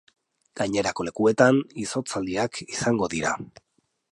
Gainerako lekuetan, izotzaldiak izango dira.